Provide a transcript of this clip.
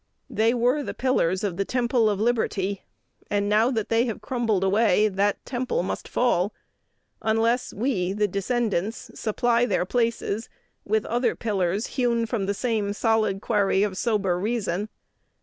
They were the pillars of the temple of liberty; and now that they have crumbled away, that temple must fall, unless we, the descendants, supply their places with other pillars hewn from the same solid quarry of sober reason.